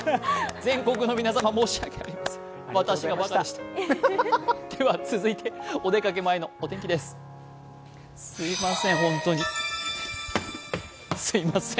全国の皆様、申し訳ありません。